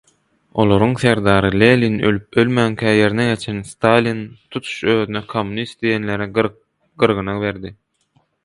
Olaryň serdary Lenin ölüp-ölmänkä ýerine geçen Stalin tutuş özüne kommunist diýenleri gyrgyna berdi.